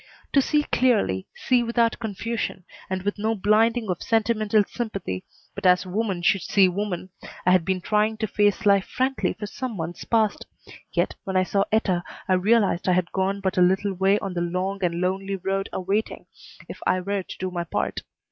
To see clearly, see without confusion, and with no blinding of sentimental sympathy, but as woman should see woman, I had been trying to face life frankly for some months past; yet when I saw Etta I realized I had gone but a little way on the long and lonely road awaiting if I were to do my part.